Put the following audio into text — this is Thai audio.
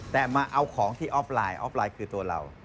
แต่มาเอาของที่ออฟไลน์ออฟไลน์คือตัวเรา